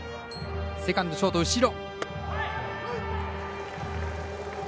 セカンド、ショート後ろ。